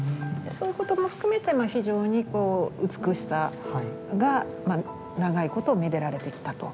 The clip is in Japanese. そういうことも含めて非常に美しさが長いことめでられてきたと。